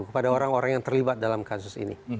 kepada orang orang yang terlibat dalam kasus ini